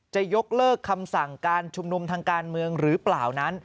จะยกเลิกคำสั่งการชุมนุมทางการเมืองหรือเปล่านั้น